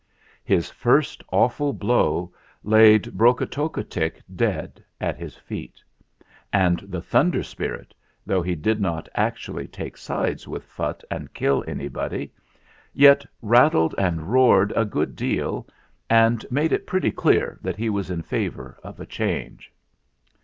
His first awful blow laid Brokotockotick dead at his feet; and the Thunder Spirit, though he did not actually take sides with Phutt and kill anybody, yet rattled and roared a good deal and made it pretty clear that he was in favour of a change.